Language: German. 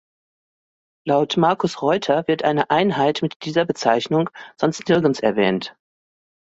Laut Marcus Reuter wird eine Einheit mit dieser Bezeichnung sonst nirgends erwähnt.